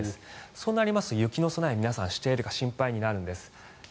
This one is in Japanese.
そうなりますと雪の備え、皆さんしているか心配になるんです。